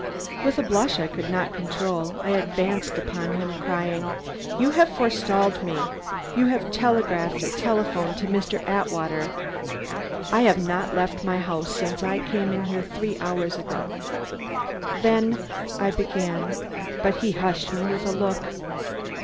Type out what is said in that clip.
With a blush I could not control, I advanced upon him, crying: "You have forestalled me. You have telegraphed or telephoned to Mr. Atwater " "I have not left my house since I came in here three hours ago." "Then " I began. But he hushed me with a look.